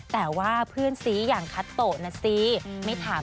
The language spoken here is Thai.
แต่ว่าเพื่อนสีอย่างคัตโตนะ